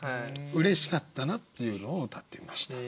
嬉しかったなっていうのをうたってみました。